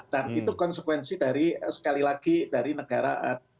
dan itu konsekuensi sekali lagi dari negara